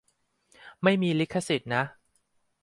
ไม่มีลิขสิทธิ์นะ